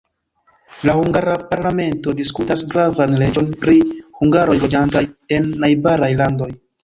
La hungara parlamento diskutas gravan leĝon pri hungaroj loĝantaj en najbaraj landoj.